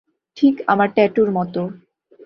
ঠিক আমার ট্যাটুর মত।